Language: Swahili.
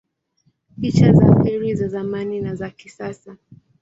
Picha za feri za zamani na za kisasa